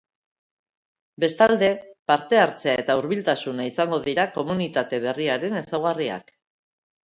Bestalde, parte hartzea eta hurbiltasuna izango dira komunitate berriaren ezaugarriak.